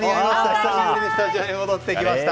久しぶりにスタジオに帰ってきました。